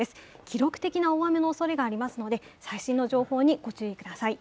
記録的な大雨のおそれがありますので、最新の情報に御注意ください。